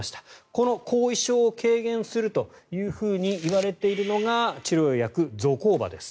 この後遺症を軽減するといわれているのが治療薬ゾコーバです。